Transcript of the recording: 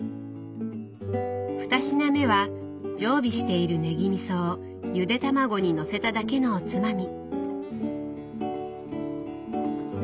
二品目は常備しているねぎみそをゆで卵にのせただけのおつまみ。